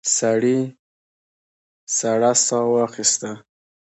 سړي سړه ساه واخیسته.